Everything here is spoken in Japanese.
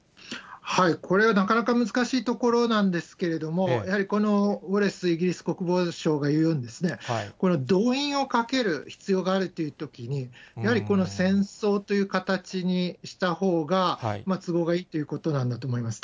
これはなかなか難しいところなんですけれども、やはりウォレスイギリス国防相が言うようにですね、動員をかける必要があるというときに、やはりこの戦争という形にした方が都合がいいということなんだと思います。